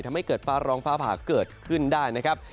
ทำให้เกิดฟ้าร้องฟ้าผ่าเกิดขึ้นได้นะครับ